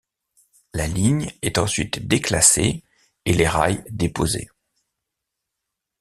La ligne est ensuite déclassée et les rails déposés.